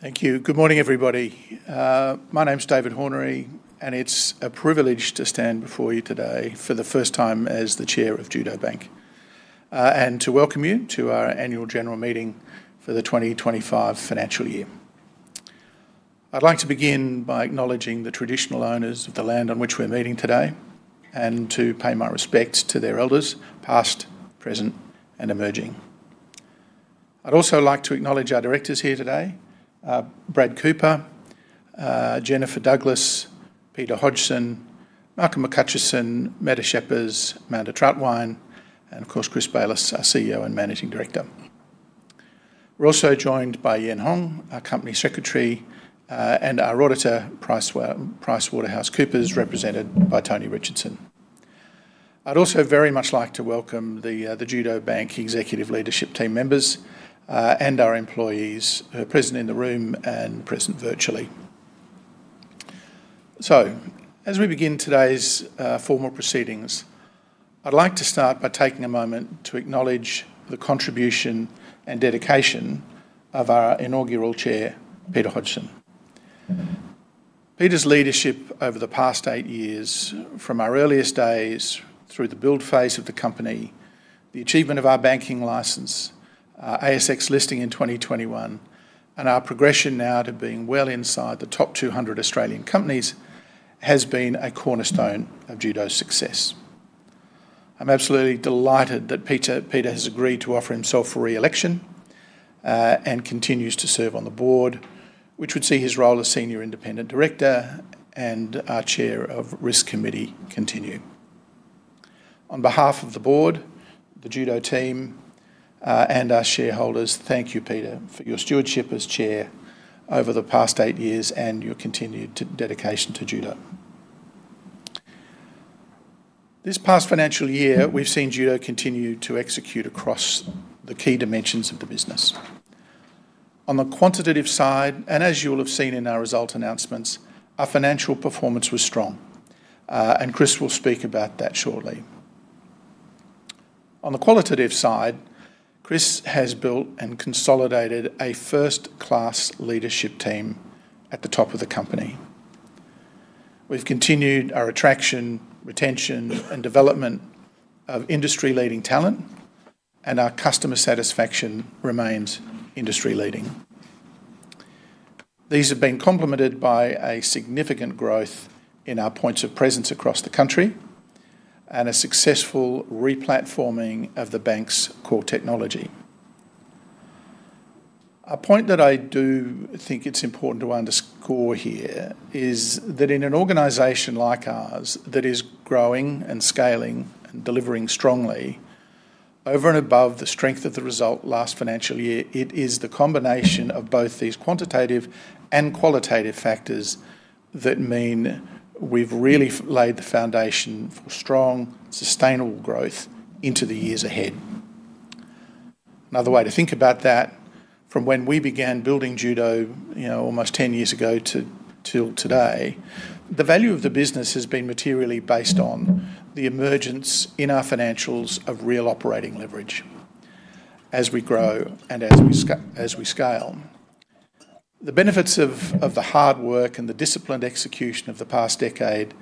Thank you. Good morning, everybody. My name is David Hornery, and it's a privilege to stand before you today for the first time as the Chair of Judo Bank and to welcome you to our annual general meeting for the 2025 financial year. I'd like to begin by acknowledging the traditional owners of the land on which we're meeting today and to pay my respects to their elders, past, present, and emerging. I'd also like to acknowledge our directors here today: Brad Cooper, Jennifer Douglas, Peter Hodgson, Malcolm McCutcheon, Meta Shepherd, Amanda Trattwine, and of course, Chris Bayliss, our CEO and Managing Director. We're also joined by Yen Hong, our Company Secretary, and our auditor, PricewaterhouseCoopers, represented by Tony Richardson. I'd also very much like to welcome the Judo Bank Executive Leadership Team members and our employees, who are present in the room and present virtually. As we begin today's formal proceedings, I'd like to start by taking a moment to acknowledge the contribution and dedication of our inaugural Chair, Peter Hodgson. Peter's leadership over the past eight years, from our earliest days through the build phase of the company, the achievement of our banking license, our ASX listing in 2021, and our progression now to being well inside the top 200 Australian companies, has been a cornerstone of Judo's success. I'm absolutely delighted that Peter has agreed to offer himself for re-election and continues to serve on the Board, which would see his role as Senior Independent Director and our Chair of Risk Committee continue. On behalf of the Board, the Judo team, and our shareholders, thank you, Peter, for your stewardship as Chair over the past eight years and your continued dedication to Judo. This past financial year, we've seen Judo continue to execute across the key dimensions of the business. On the quantitative side, and as you will have seen in our result announcements, our financial performance was strong, and Chris will speak about that shortly. On the qualitative side, Chris has built and consolidated a first-class leadership team at the top of the company. We've continued our attraction, retention, and development of industry-leading talent, and our customer satisfaction remains industry-leading. These have been complemented by a significant growth in our points of presence across the country and a successful re-platforming of the bank's core technology. A point that I do think it's important to underscore here is that in an organization like ours that is growing and scaling and delivering strongly, over and above the strength of the result last financial year, it is the combination of both these quantitative and qualitative factors that mean we've really laid the foundation for strong, sustainable growth into the years ahead. Another way to think about that, from when we began building Judo almost ten years ago to today, the value of the business has been materially based on the emergence in our financials of real operating leverage as we grow and as we scale. The benefits of the hard work and the disciplined execution of the past decade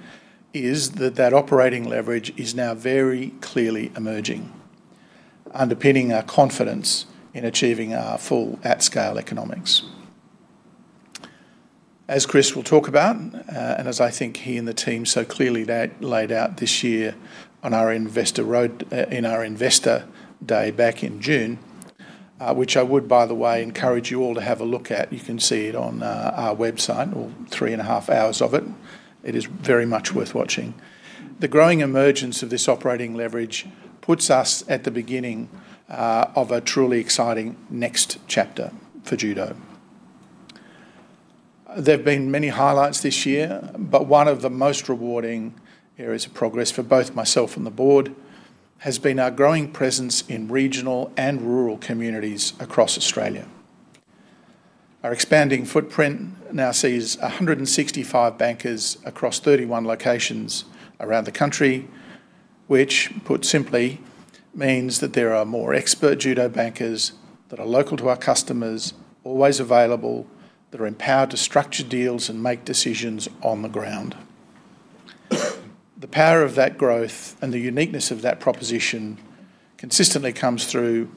are that that operating leverage is now very clearly emerging, underpinning our confidence in achieving our full at-scale economics. As Chris will talk about, and as I think he and the team so clearly laid out this year on our investor day back in June, which I would, by the way, encourage you all to have a look at. You can see it on our website, or three and a half hours of it. It is very much worth watching. The growing emergence of this operating leverage puts us at the beginning of a truly exciting next chapter for Judo. There have been many highlights this year, but one of the most rewarding areas of progress for both myself and the Board has been our growing presence in regional and rural communities across Australia. Our expanding footprint now sees 165 bankers across 31 locations around the country, which, put simply, means that there are more expert Judo bankers that are local to our customers, always available, that are empowered to structure deals and make decisions on the ground. The power of that growth and the uniqueness of that proposition consistently comes through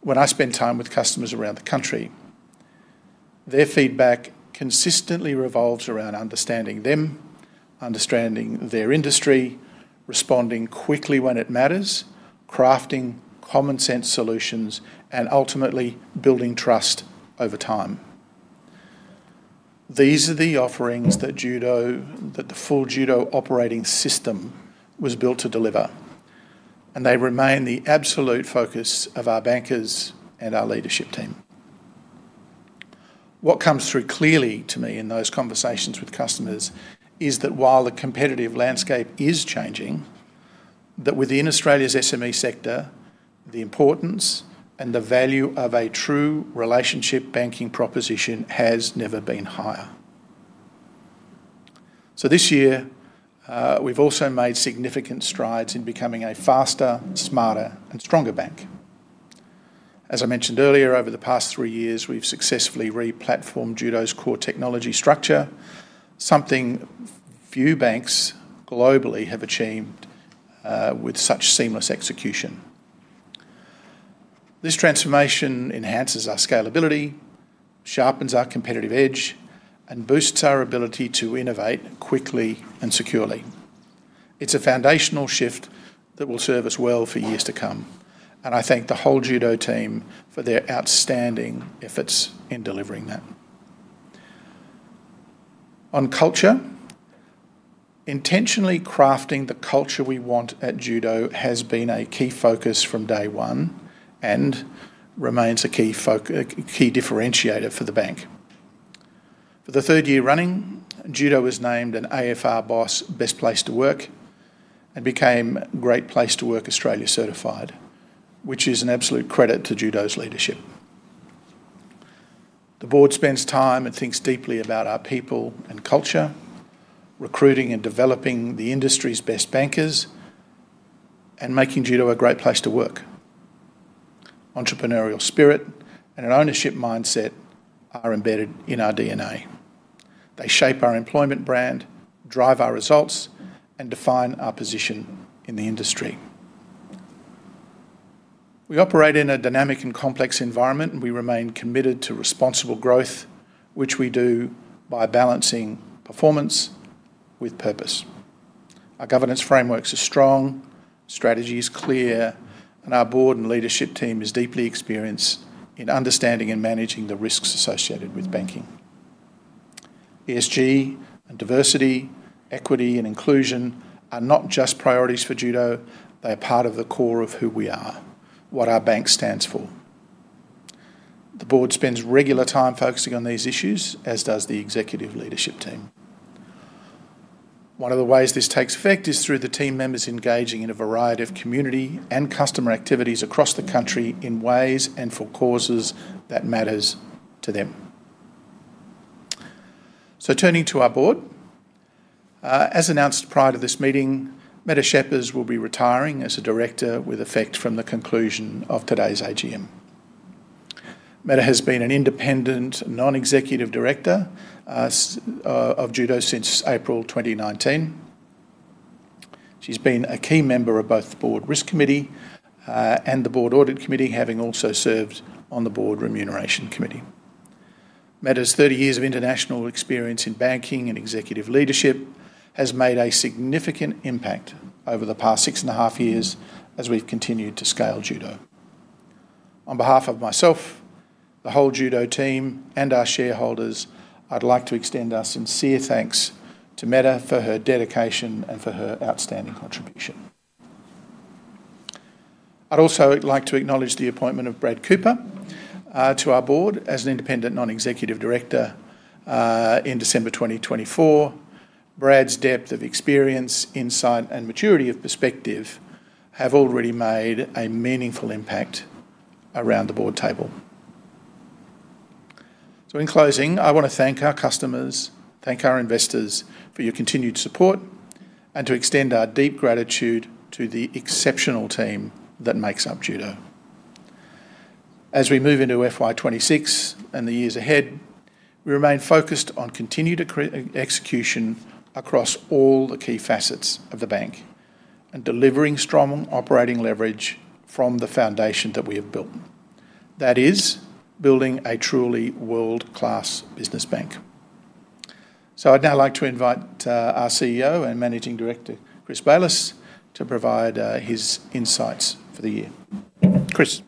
when I spend time with customers around the country. Their feedback consistently revolves around understanding them, understanding their industry, responding quickly when it matters, crafting commonsense solutions, and ultimately building trust over time. These are the offerings that the full Judo operating system was built to deliver, and they remain the absolute focus of our bankers and our leadership team. What comes through clearly to me in those conversations with customers is that while the competitive landscape is changing, that within Australia's SME sector, the importance and the value of a true relationship banking proposition has never been higher. This year, we've also made significant strides in becoming a faster, smarter, and stronger bank. As I mentioned earlier, over the past three years, we've successfully re-platformed Judo's core technology structure, something few banks globally have achieved with such seamless execution. This transformation enhances our scalability, sharpens our competitive edge, and boosts our ability to innovate quickly and securely. It's a foundational shift that will serve us well for years to come, and I thank the whole Judo team for their outstanding efforts in delivering that. On culture, intentionally crafting the culture we want at Judo has been a key focus from day one and remains a key differentiator for the bank. For the third year running, Judo was named an AFR Boss Best Place to Work and became Great Place to Work Australia Certified, which is an absolute credit to Judo's leadership. The Board spends time and thinks deeply about our people and culture, recruiting and developing the industry's best bankers, and making Judo a great place to work. Entrepreneurial spirit and an ownership mindset are embedded in our DNA. They shape our employment brand, drive our results, and define our position in the industry. We operate in a dynamic and complex environment, and we remain committed to responsible growth, which we do by balancing performance with purpose. Our governance frameworks are strong, strategies clear, and our Board and leadership team are deeply experienced in understanding and managing the risks associated with banking. ESG and diversity, equity, and inclusion are not just priorities for Judo; they are part of the core of who we are, what our bank stands for. The Board spends regular time focusing on these issues, as does the executive leadership team. One of the ways this takes effect is through the team members engaging in a variety of community and customer activities across the country in ways and for causes that matter to them. Turning to our Board, as announced prior to this meeting, Meta Shepherd will be retiring as a Director, with effect from the conclusion of today's AGM. Meta has been an Independent Non-Executive Director of Judo since April 2019. She's been a key member of both the Board Risk Committee and the Board Audit Committee, having also served on the Board Remuneration Committee. Meta's 30 years of international experience in banking and executive leadership have made a significant impact over the past six and a half years as we've continued to scale Judo. On behalf of myself, the whole Judo team, and our shareholders, I'd like to extend our sincere thanks to Meta for her dedication and for her outstanding contribution. I'd also like to acknowledge the appointment of Brad Cooper to our Board as an Independent Non-Executive Director in December 2024. Brad's depth of experience, insight, and maturity of perspective have already made a meaningful impact around the Board table. In closing, I want to thank our customers, thank our investors for your continued support, and to extend our deep gratitude to the exceptional team that makes up Judo. As we move into FY26 and the years ahead, we remain focused on continued execution across all the key facets of the bank and delivering strong operating leverage from the foundation that we have built, that is, building a truly world-class business bank. I'd now like to invite our CEO and Managing Director, Chris Bayliss, to provide his insights for the year. Chris.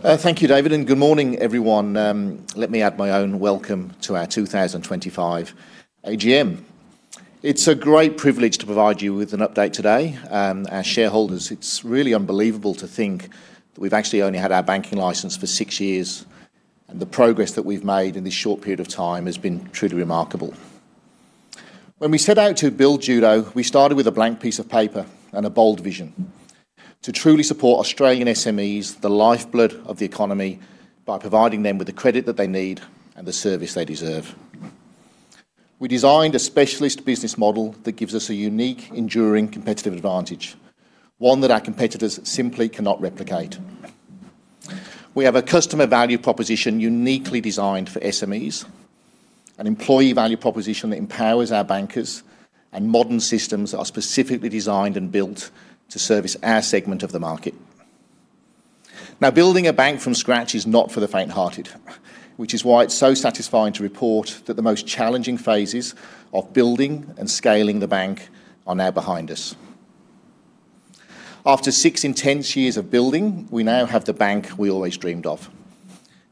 Thank you, David, and good morning, everyone. Let me add my own welcome to our 2025 AGM. It's a great privilege to provide you with an update today. Our shareholders, it's really unbelievable to think that we've actually only had our banking license for six years, and the progress that we've made in this short period of time has been truly remarkable. When we set out to build Judo, we started with a blank piece of paper and a bold vision: to truly support Australian SMEs, the lifeblood of the economy, by providing them with the credit that they need and the service they deserve. We designed a specialist business model that gives us a unique, enduring competitive advantage, one that our competitors simply cannot replicate. We have a customer value proposition uniquely designed for SMEs, an employee value proposition that empowers our bankers, and modern systems that are specifically designed and built to service our segment of the market. Now, building a bank from scratch is not for the faint-hearted, which is why it's so satisfying to report that the most challenging phases of building and scaling the bank are now behind us. After six intense years of building, we now have the bank we always dreamed of,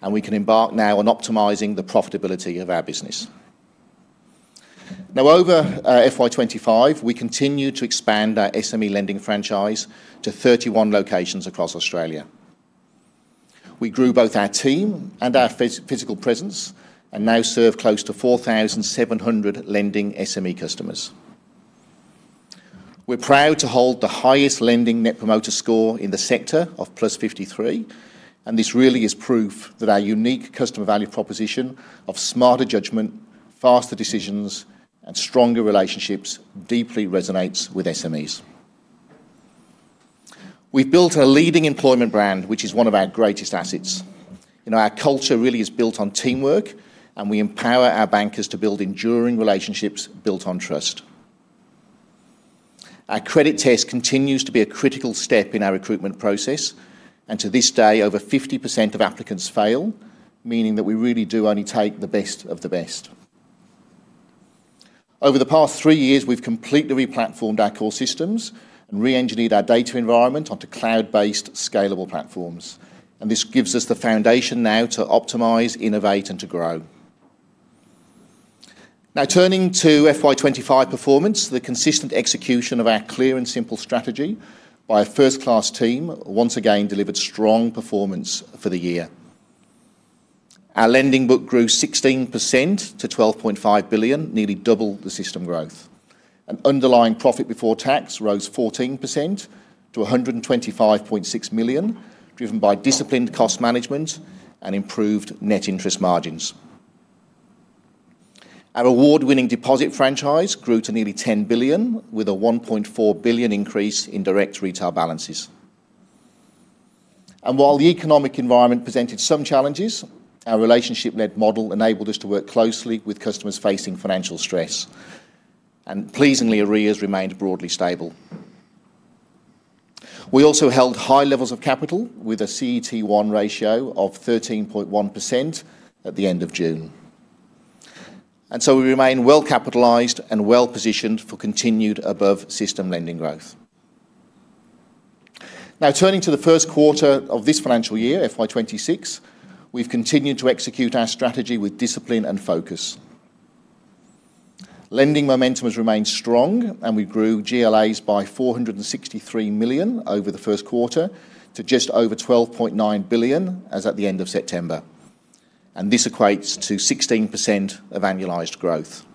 and we can embark now on optimizing the profitability of our business. Now, over FY25, we continue to expand our SME lending franchise to 31 locations across Australia. We grew both our team and our physical presence and now serve close to 4,700 lending SME customers. We're proud to hold the highest lending net promoter score in the sector of plus 53, and this really is proof that our unique customer value proposition of smarter judgment, faster decisions, and stronger relationships deeply resonates with SMEs. We've built a leading employment brand, which is one of our greatest assets. You know, our culture really is built on teamwork, and we empower our bankers to build enduring relationships built on trust. Our credit test continues to be a critical step in our recruitment process, and to this day, over 50% of applicants fail, meaning that we really do only take the best of the best. Over the past three years, we've completely re-platformed our core systems and re-engineered our data environment onto cloud-based, scalable platforms, and this gives us the foundation now to optimize, innovate, and to grow. Now, turning to FY25 performance, the consistent execution of our clear and simple strategy by a first-class team once again delivered strong performance for the year. Our lending book grew 16% to $12.5 billion, nearly double the system growth. Underlying profit before tax rose 14% to $125.6 million, driven by disciplined cost management and improved net interest margins. Our award-winning deposit franchise grew to nearly $10 billion, with a $1.4 billion increase in direct retail balances. While the economic environment presented some challenges, our relationship-led model enabled us to work closely with customers facing financial stress, and, pleasingly, arrears remained broadly stable. We also held high levels of capital, with a CET1 capital ratio of 13.1% at the end of June. We remain well-capitalized and well-positioned for continued above-system lending growth. Now, turning to the first quarter of this financial year, FY26, we've continued to execute our strategy with discipline and focus. Lending momentum has remained strong, and we grew GLAs by $463 million over the first quarter to just over $12.9 billion as at the end of September, and this equates to 16% of annualized growth.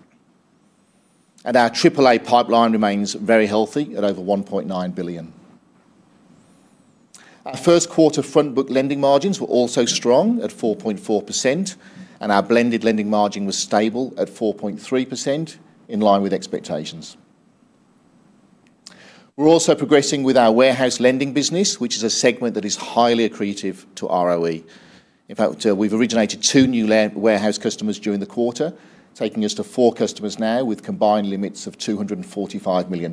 Our AAA pipeline remains very healthy at over $1.9 billion. Our first-quarter frontbook lending margins were also strong at 4.4%, and our blended lending margin was stable at 4.3%, in line with expectations. We're also progressing with our warehouse lending business, which is a segment that is highly accretive to ROE. In fact, we've originated two new warehouse customers during the quarter, taking us to four customers now with combined limits of $245 million.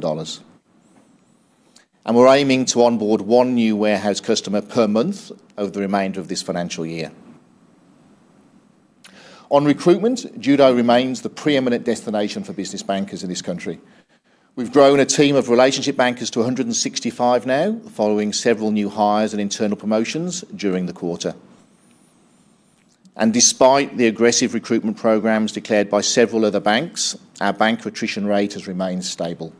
We're aiming to onboard one new warehouse customer per month over the remainder of this financial year. On recruitment, Judo remains the preeminent destination for business bankers in this country. We've grown a team of relationship bankers to 165 now, following several new hires and internal promotions during the quarter. Despite the aggressive recruitment programs declared by several other banks, our bank retention rate has remained stable.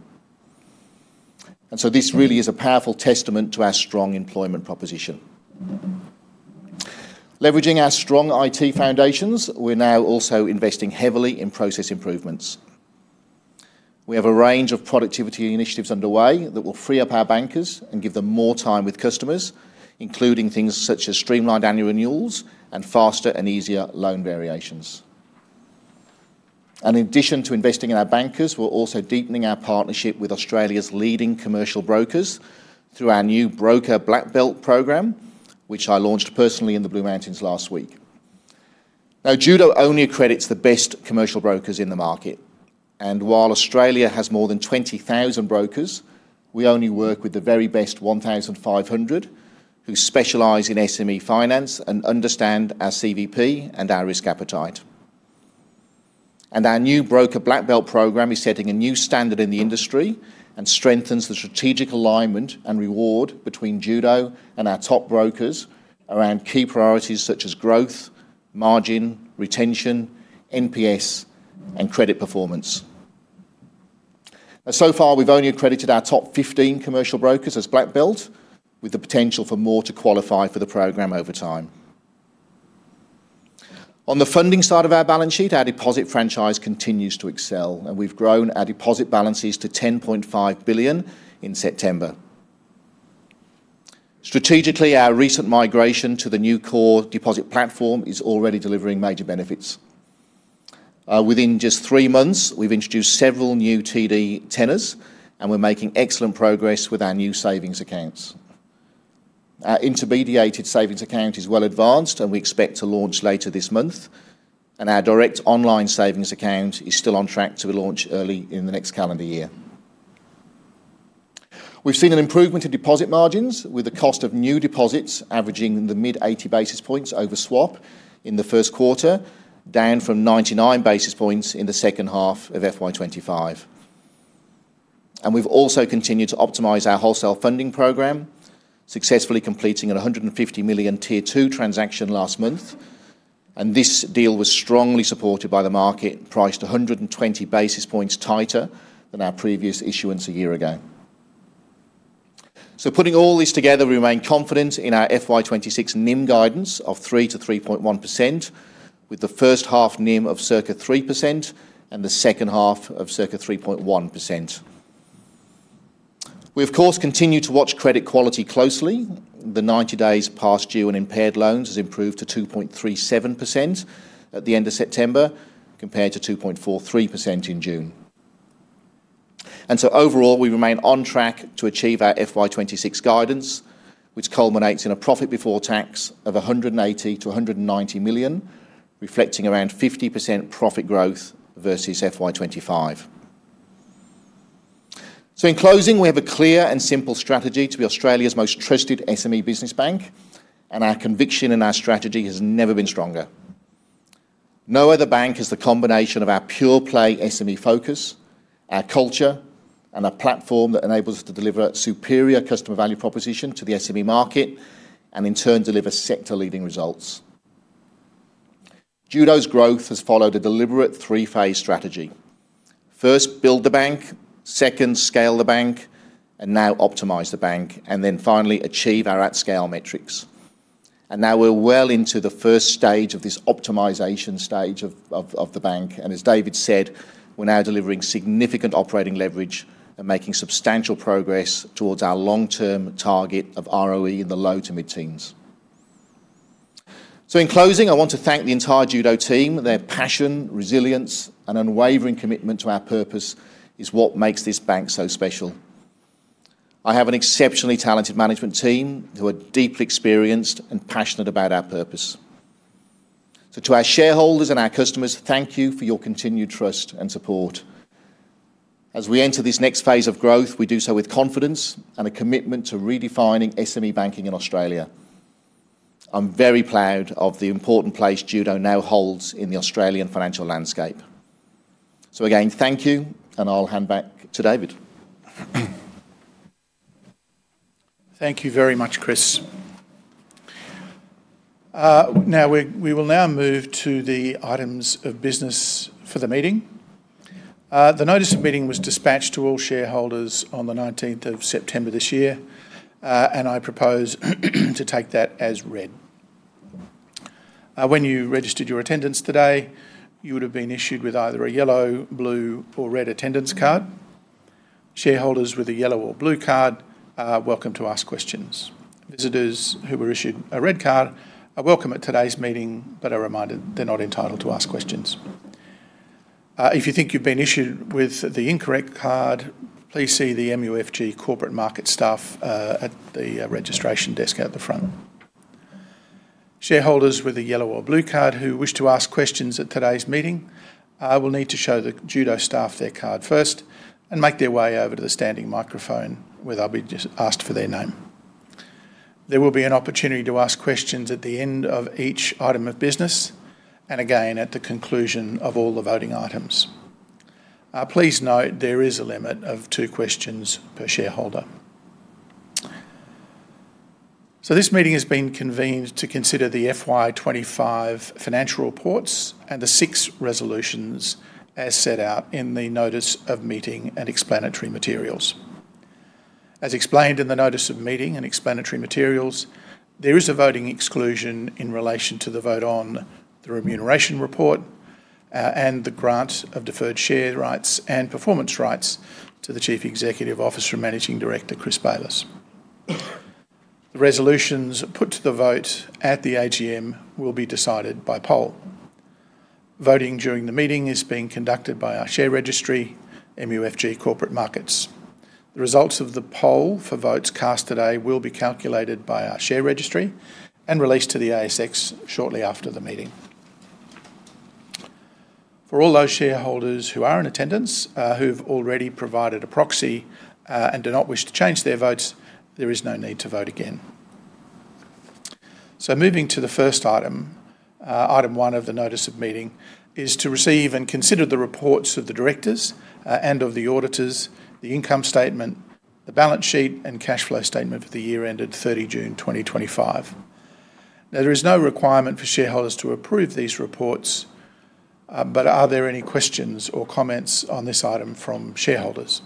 This really is a powerful testament to our strong employment proposition. Leveraging our strong IT foundations, we're now also investing heavily in process improvements. We have a range of productivity initiatives underway that will free up our bankers and give them more time with customers, including things such as streamlined annual renewals and faster and easier loan variations. In addition to investing in our bankers, we're also deepening our partnership with Australia's leading commercial brokers through our new Broker Black Belt program, which I launched personally in the Blue Mountains last week. Judo only accredits the best commercial brokers in the market, and while Australia has more than 20,000 brokers, we only work with the very best 1,500 who specialize in SME finance and understand our CVP and our risk appetite. Our new Broker Black Belt program is setting a new standard in the industry and strengthens the strategic alignment and reward between Judo and our top brokers around key priorities such as growth, margin, retention, NPS, and credit performance. So far, we've only accredited our top 15 commercial brokers as Black Belt, with the potential for more to qualify for the program over time. On the funding side of our balance sheet, our deposit franchise continues to excel, and we've grown our deposit balances to $10.5 billion in September. Strategically, our recent migration to the new core deposit platform is already delivering major benefits. Within just three months, we've introduced several new term deposit products, and we're making excellent progress with our new savings accounts. Our intermediated savings account is well advanced, and we expect to launch later this month, and our direct online savings account is still on track to be launched early in the next calendar year. We've seen an improvement in deposit margins, with the cost of new deposits averaging in the mid-80 basis points over swap in the first quarter, down from 99 basis points in the second half of FY2025. We've also continued to optimize our wholesale funding program, successfully completing a $150 million tier two transaction last month, and this deal was strongly supported by the market, priced 120 basis points tighter than our previous issuance a year ago. Putting all this together, we remain confident in our FY2026 NIM guidance of 3 to 3.1%, with the first half NIM of circa 3% and the second half of circa 3.1%. We, of course, continue to watch credit quality closely. The 90 days past due on impaired loans has improved to 2.37% at the end of September, compared to 2.43% in June. Overall, we remain on track to achieve our FY26 guidance, which culminates in a profit before tax of $180 to $190 million, reflecting around 50% profit growth versus FY25. In closing, we have a clear and simple strategy to be Australia's most trusted SME business bank, and our conviction in our strategy has never been stronger. No other bank has the combination of our pure-play SME focus, our culture, and a platform that enables us to deliver a superior customer value proposition to the SME market and, in turn, deliver sector-leading results. Judo's growth has followed a deliberate three-phase strategy: first, build the bank; second, scale the bank; and now, optimize the bank, and then finally, achieve our at-scale metrics. We are well into the first stage of this optimization stage of the bank, and as David said, we are now delivering significant operating leverage and making substantial progress towards our long-term target of ROE in the low to mid-teens. In closing, I want to thank the entire Judo team. Their passion, resilience, and unwavering commitment to our purpose is what makes this bank so special. I have an exceptionally talented management team who are deeply experienced and passionate about our purpose. To our shareholders and our customers, thank you for your continued trust and support. As we enter this next phase of growth, we do so with confidence and a commitment to redefining SME banking in Australia. I'm very proud of the important place Judo now holds in the Australian financial landscape. Thank you, and I'll hand back to David. Thank you very much, Chris. We will now move to the items of business for the meeting. The notice of meeting was dispatched to all shareholders on the 19th of September this year, and I propose to take that as read. When you registered your attendance today, you would have been issued with either a yellow, blue, or red attendance card. Shareholders with a yellow or blue card are welcome to ask questions. Visitors who were issued a red card are welcome at today's meeting but are reminded they're not entitled to ask questions. If you think you've been issued with the incorrect card, please see the MUFG corporate market staff at the registration desk at the front. Shareholders with a yellow or blue card who wish to ask questions at today's meeting will need to show the Judo staff their card first and make their way over to the standing microphone, where they'll be asked for their name. There will be an opportunity to ask questions at the end of each item of business and again at the conclusion of all the voting items. Please note there is a limit of two questions per shareholder. This meeting has been convened to consider the FY25 financial reports and the six resolutions as set out in the notice of meeting and explanatory materials. As explained in the notice of meeting and explanatory materials, there is a voting exclusion in relation to the vote on the remuneration report and the grant of deferred share rights and performance rights to the Chief Executive Officer and Managing Director, Chris Bayliss. The resolutions put to the vote at the AGM will be decided by poll. Voting during the meeting is being conducted by our share registry, MUFG corporate markets. The results of the poll for votes cast today will be calculated by our share registry and released to the ASX shortly after the meeting. For all those shareholders who are in attendance, who have already provided a proxy and do not wish to change their votes, there is no need to vote again. Moving to the first item, item one of the notice of meeting, is to receive and consider the reports of the directors and of the auditors, the income statement, the balance sheet, and cash flow statement for the year ended 30 June 2025. There is no requirement for shareholders to approve these reports, but are there any questions or comments on this item from shareholders?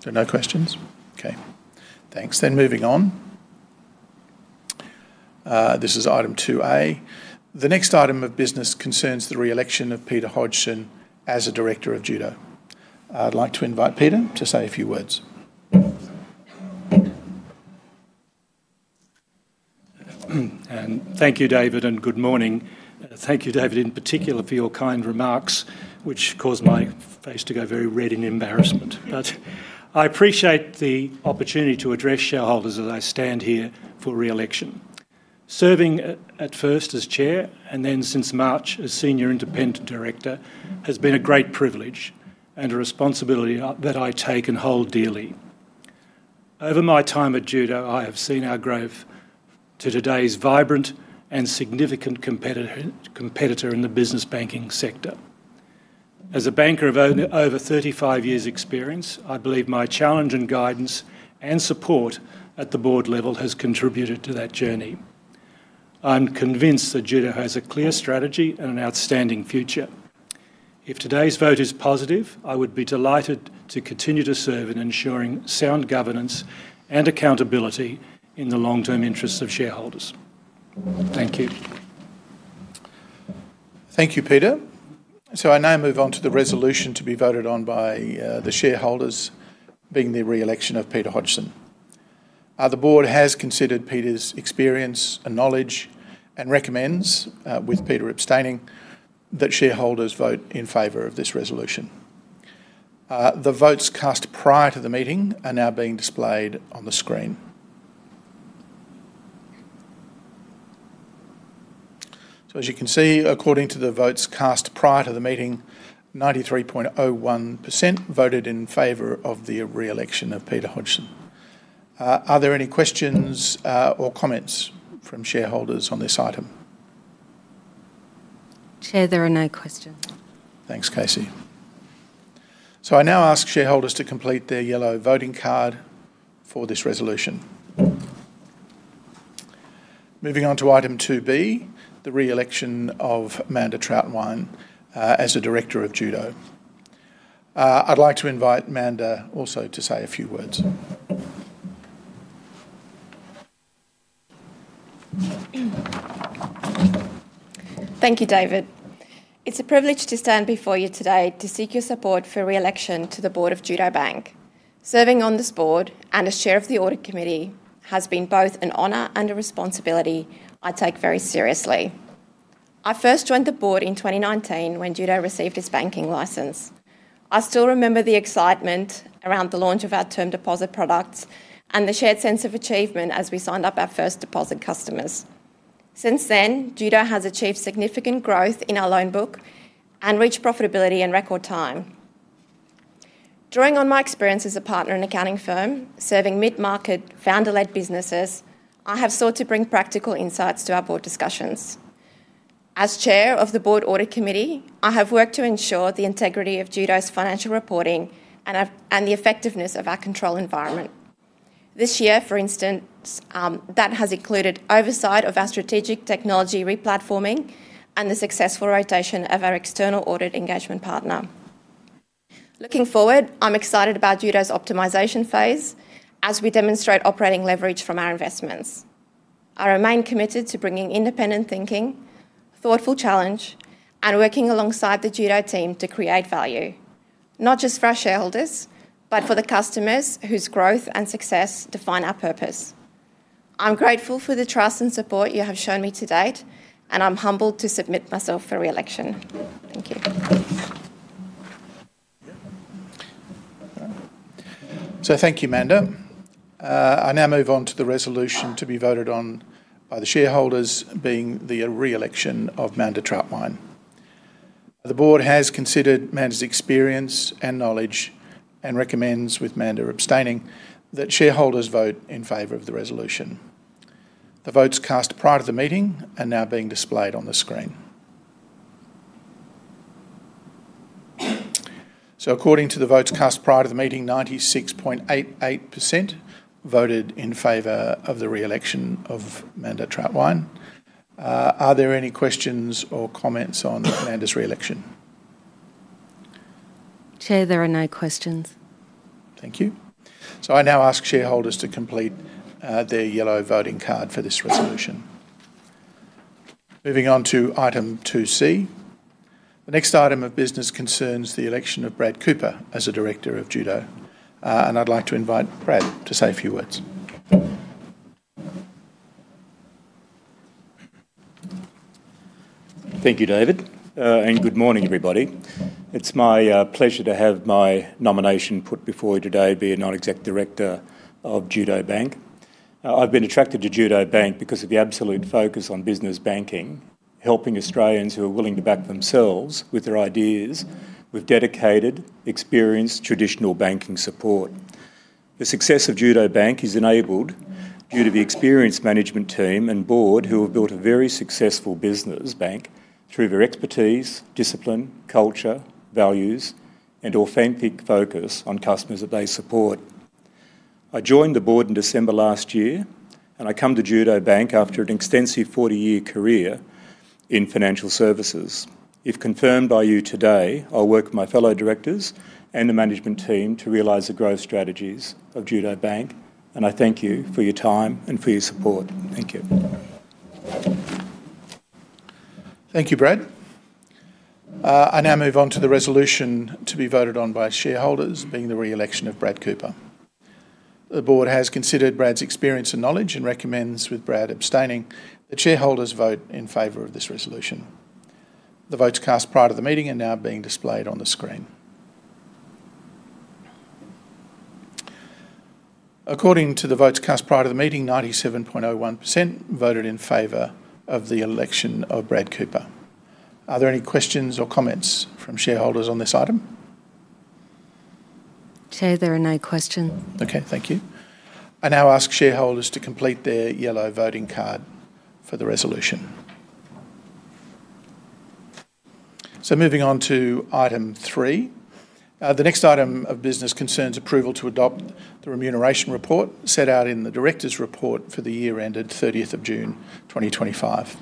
There are no questions? Okay. Thanks. Moving on, this is item 2A. The next item of business concerns the re-election of Peter Hodgson as a Director of Judo. I'd like to invite Peter to say a few words. Thank you, David, and good morning. Thank you, David, in particular, for your kind remarks, which caused my face to go very red in embarrassment. I appreciate the opportunity to address shareholders as I stand here for re-election. Serving at first as Chair and then since March as Senior Independent Director has been a great privilege and a responsibility that I take and hold dearly. Over my time at Judo, I have seen our growth to today's vibrant and significant competitor in the business banking sector. As a banker of over 35 years' experience, I believe my challenge and guidance and support at the Board level has contributed to that journey. I'm convinced that Judo has a clear strategy and an outstanding future. If today's vote is positive, I would be delighted to continue to serve in ensuring sound governance and accountability in the long-term interests of shareholders. Thank you. Thank you, Peter. I now move on to the resolution to be voted on by the shareholders, being the re-election of Peter Hodgson. The Board has considered Peter's experience and knowledge and recommends, with Peter abstaining, that shareholders vote in favor of this resolution. The votes cast prior to the meeting are now being displayed on the screen. As you can see, according to the votes cast prior to the meeting, 93.01% voted in favor of the re-election of Peter Hodgson. Are there any questions or comments from shareholders on this item? Chair, there are no questions. Thanks, Casey. I now ask shareholders to complete their yellow voting card for this resolution. Moving on to item 2B, the re-election of Amanda Trattwine as a Director of Judo. I'd like to invite Amanda also to say a few words. Thank you, David. It's a privilege to stand before you today to seek your support for re-election to the Board of Judo Bank. Serving on this Board and as Chair of the Audit Committee has been both an honor and a responsibility I take very seriously. I first joined the Board in 2019 when Judo received its banking license. I still remember the excitement around the launch of our term deposit products and the shared sense of achievement as we signed up our first deposit customers. Since then, Judo has achieved significant growth in our loan book and reached profitability in record time. Drawing on my experience as a partner in an accounting firm, serving mid-market founder-led businesses, I have sought to bring practical insights to our Board discussions. As Chair of the Board Audit Committee, I have worked to ensure the integrity of Judo's financial reporting and the effectiveness of our control environment. This year, for instance, that has included oversight of our strategic technology re-platforming and the successful rotation of our external audit engagement partner. Looking forward, I'm excited about Judo's optimization phase as we demonstrate operating leverage from our investments. I remain committed to bringing independent thinking, thoughtful challenge, and working alongside the Judo team to create value, not just for our shareholders but for the customers whose growth and success define our purpose. I'm grateful for the trust and support you have shown me to date, and I'm humbled to submit myself for re-election. Thank you. Thank you, Amanda. I now move on to the resolution to be voted on by the shareholders, being the re-election of Amanda Trattwine. The Board has considered Amanda's experience and knowledge and recommends, with Amanda abstaining, that shareholders vote in favor of the resolution. The votes cast prior to the meeting are now being displayed on the screen. According to the votes cast prior to the meeting, 96.88% voted in favor of the re-election of Amanda Trattwine. Are there any questions or comments on Amanda's re-election? Chair, there are no questions. Thank you. I now ask shareholders to complete their yellow voting card for this resolution. Moving on to item 2C, the next item of business concerns the election of Brad Cooper as a Director of Judo, and I'd like to invite Brad to say a few words. Thank you, David, and good morning, everybody. It's my pleasure to have my nomination put before you today being an Executive Director of Judo Bank. I've been attracted to Judo Bank because of the absolute focus on business banking, helping Australians who are willing to back themselves with their ideas with dedicated, experienced, traditional banking support. The success of Judo Bank is enabled due to the experienced management team and Board who have built a very successful business bank through their expertise, discipline, culture, values, and authentic focus on customers that they support. I joined the Board in December last year, and I come to Judo Bank after an extensive 40-year career in financial services. If confirmed by you today, I'll work with my fellow Directors and the management team to realize the growth strategies of Judo Bank, and I thank you for your time and for your support. Thank you. Thank you, Brad. I now move on to the resolution to be voted on by shareholders, being the re-election of Brad Cooper. The Board has considered Brad's experience and knowledge and recommends, with Brad abstaining, that shareholders vote in favor of this resolution. The votes cast prior to the meeting are now being displayed on the screen. According to the votes cast prior to the meeting, 97.01% voted in favor of the election of Brad Cooper. Are there any questions or comments from shareholders on this item? Chair, there are no questions. Okay, thank you. I now ask shareholders to complete their yellow voting card for the resolution. Moving on to item three, the next item of business concerns approval to adopt the remuneration report set out in the directors' report for the year ended 30th of June 2025.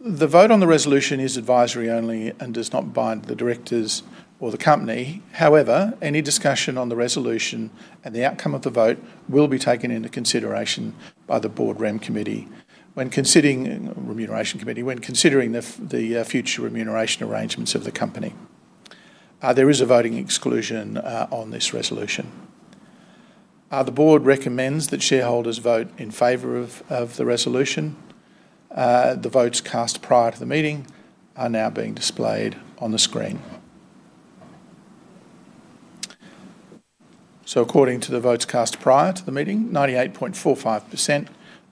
The vote on the resolution is advisory only and does not bind the directors or the company. However, any discussion on the resolution and the outcome of the vote will be taken into consideration by the Board REM Committee when considering the future remuneration arrangements of the company. There is a voting exclusion on this resolution. The Board recommends that shareholders vote in favor of the resolution. The votes cast prior to the meeting are now being displayed on the screen. According to the votes cast prior to the meeting, 98.45%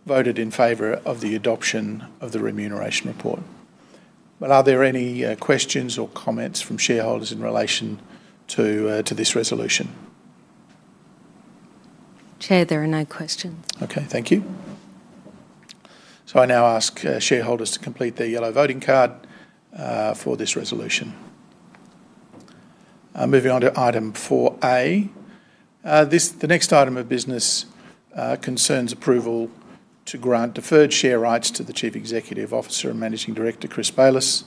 voted in favor of the adoption of the remuneration report. Are there any questions or comments from shareholders in relation to this resolution? Chair, there are no questions. Okay, thank you. I now ask shareholders to complete their yellow voting card for this resolution. Moving on to item 4A. The next item of business concerns approval to grant deferred share rights to the Chief Executive Officer and Managing Director, Chris Bayliss.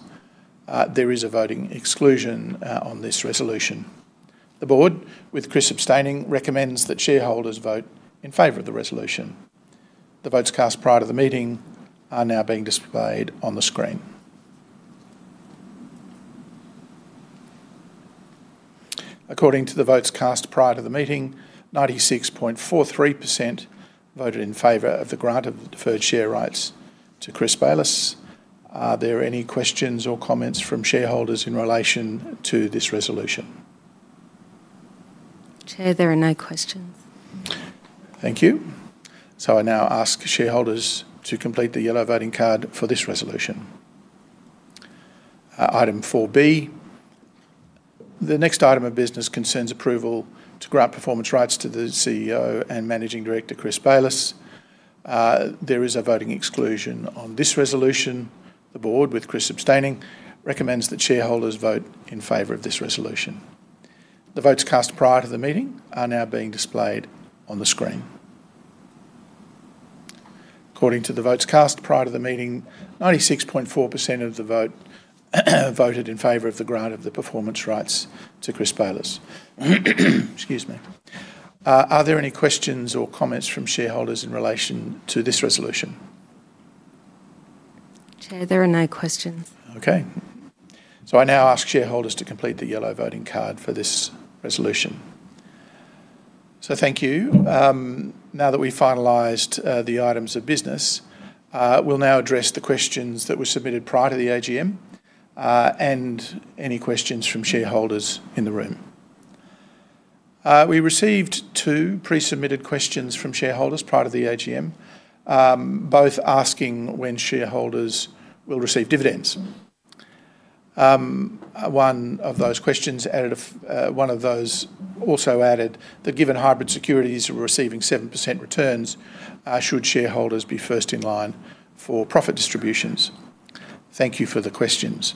There is a voting exclusion on this resolution. The Board, with Chris abstaining, recommends that shareholders vote in favor of the resolution. The votes cast prior to the meeting are now being displayed on the screen. According to the votes cast prior to the meeting, 96.43% voted in favor of the grant of deferred share rights to Chris Bayliss. Are there any questions or comments from shareholders in relation to this resolution? Chair, there are no questions. Thank you. I now ask shareholders to complete their yellow voting card for this resolution. Item 4B. The next item of business concerns approval to grant performance rights to the CEO and Managing Director, Chris Bayliss. There is a voting exclusion on this resolution. The Board, with Chris abstaining, recommends that shareholders vote in favor of this resolution. The votes cast prior to the meeting are now being displayed on the screen. According to the votes cast prior to the meeting, 96.4% of the vote voted in favor of the grant of the performance rights to Chris Bayliss. Excuse me. Are there any questions or comments from shareholders in relation to this resolution? Chair, there are no questions. Okay. I now ask shareholders to complete their yellow voting card for this resolution. Thank you. Now that we've finalized the items of business, we'll address the questions that were submitted prior to the AGM and any questions from shareholders in the room. We received two pre-submitted questions from shareholders prior to the AGM, both asking when shareholders will receive dividends. One of those questions also added that given hybrid securities are receiving 7% returns, should shareholders be first in line for profit distributions? Thank you for the questions.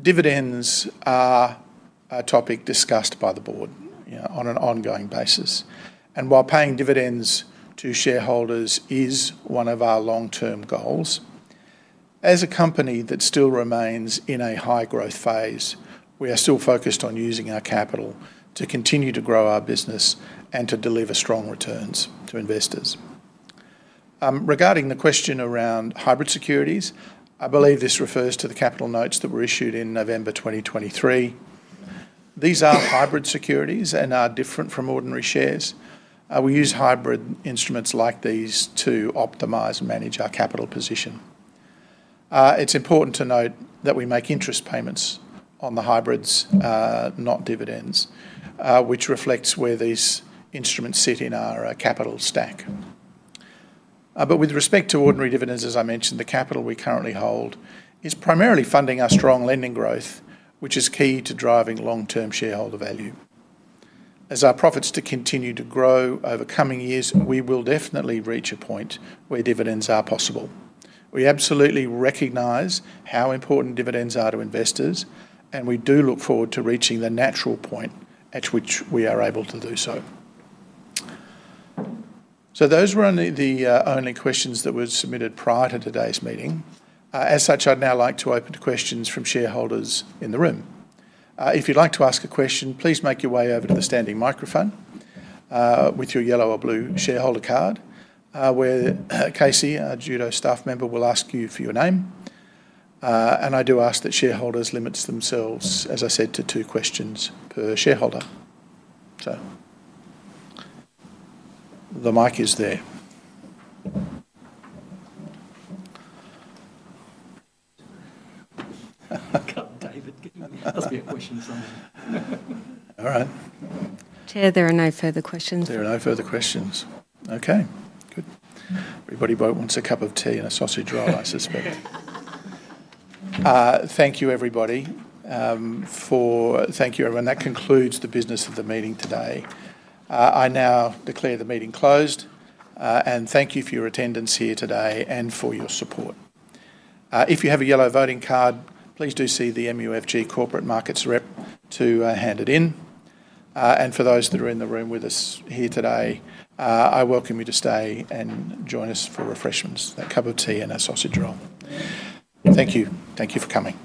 Dividends are a topic discussed by the Board on an ongoing basis, and while paying dividends to shareholders is one of our long-term goals, as a company that still remains in a high-growth phase, we are still focused on using our capital to continue to grow our business and to deliver strong returns to investors. Regarding the question around hybrid securities, I believe this refers to the capital notes that were issued in November 2023. These are hybrid securities and are different from ordinary shares. We use hybrid instruments like these to optimize and manage our capital position. It's important to note that we make interest payments on the hybrids, not dividends, which reflects where these instruments sit in our capital stack. With respect to ordinary dividends, as I mentioned, the capital we currently hold is primarily funding our strong lending growth, which is key to driving long-term shareholder value. As our profits continue to grow over coming years, we will definitely reach a point where dividends are possible. We absolutely recognize how important dividends are to investors, and we do look forward to reaching the natural point at which we are able to do so. Those were the only questions that were submitted prior to today's meeting. As such, I'd now like to open to questions from shareholders in the room. If you'd like to ask a question, please make your way over to the standing microphone with your yellow or blue shareholder card, where Casey, our Judo staff member, will ask you for your name. I do ask that shareholders limit themselves, as I said, to two questions per shareholder. The mic is there. I got David giving me a question somewhere. All right. Chair, there are no further questions. There are no further questions. Okay, good. Everybody wants a cup of tea and a sausage roll, I suspect. Thank you, everybody. Thank you, everyone. That concludes the business of the meeting today. I now declare the meeting closed, and thank you for your attendance here today and for your support. If you have a yellow voting card, please do see the MUFG Corporate Markets rep to hand it in. For those that are in the room with us here today, I welcome you to stay and join us for refreshments, that cup of tea and a sausage roll. Thank you. Thank you for coming.